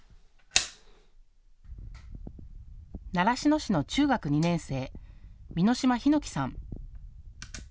習志野市の中学２年生、美濃島桧さん。